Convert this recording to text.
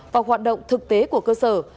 và hoạt động thực tế của cơ sở